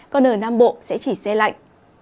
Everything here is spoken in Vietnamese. còn ở nam bộ sẽ chỉ dây lạnh